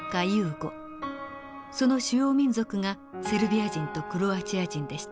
その主要民族がセルビア人とクロアチア人でした。